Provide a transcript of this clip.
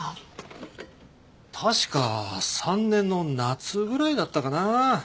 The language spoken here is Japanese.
確か３年の夏ぐらいだったかな。